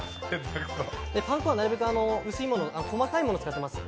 パン粉はなるべく細かいものを使っております。